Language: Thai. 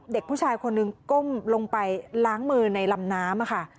เด็กผู้ชายคนหนึ่งก้มลงไปล้างมือในลำน้ำค่ะ